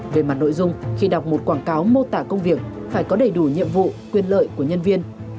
về mặt nội dung khi đọc một quảng cáo mô tả công việc phải có đầy đủ nhiệm vụ quyền lợi của nhân viên